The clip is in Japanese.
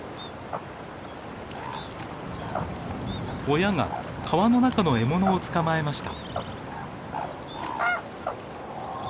親が川の中の獲物を捕まえました。